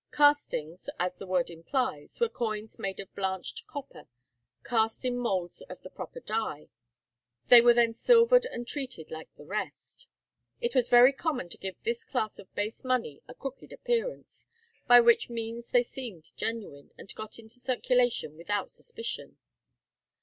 Castings, as the word implies, were coins made of blanched copper, cast in moulds of the proper die; they were then silvered and treated like the rest. It was very common to give this class of base money a crooked appearance, by which means they seemed genuine, and got into circulation without suspicion.